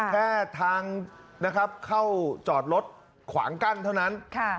แค่ทางนะครับเข้าจอดรถขวางกั้นเท่านั้น